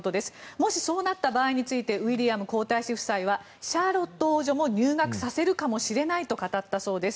もし、そうなった場合についてウィリアム皇太子夫妻はシャーロット王女も入学させるかもしれないと語ったそうです。